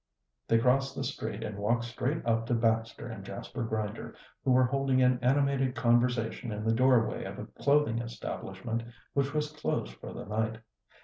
They crossed the street and walked straight up to Baxter and Jasper Grinder, who were holding an animated conversation in the doorway of a clothing establishment which was closed for the night.